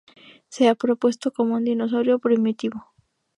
Se ha propuesto como un dinosaurio primitivo.